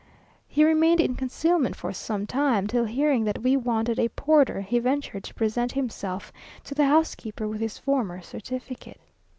He remained in concealment for some time, till hearing that we wanted a porter, he ventured to present himself to the housekeeper with his former certificate.